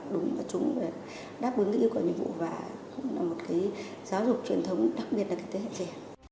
đúng là chúng đáp ứng nghĩa của nhiệm vụ và cũng là một cái giáo dục truyền thống đặc biệt là cái thế hệ trẻ